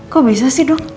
kok bisa sih duk